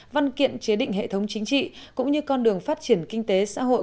văn kiện chế định hệ thống chính trị cũng như con đường phát triển kinh tế xã hội